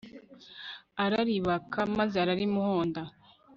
ara ribaka maze ararimuhonda